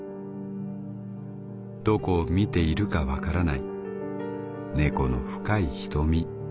どこを見ているかわからない猫の深い瞳。